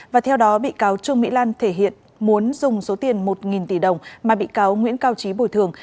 và theo đó bị cáo trương mỹ lan thể hiện muốn dùng số tiền một tỷ đồng mà bị cáo nguyễn cao trí bồi thường